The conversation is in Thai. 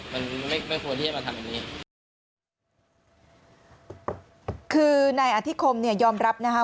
มันไม่ไม่ควรที่จะมาทำแบบนี้คือนายอธิคมเนี่ยยอมรับนะคะ